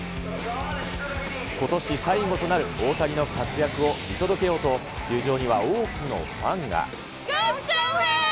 ことし最後となる大谷の活躍を見届けようと、球場には多くのファンが。